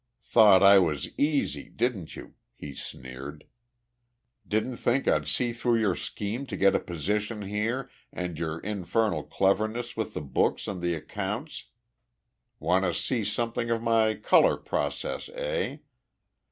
"Thought I was easy, didn't you?" he sneered. "Didn't think I'd see through your scheme to get a position here and your infernal cleverness with the books and the accounts? Want to see something of my color process, eh?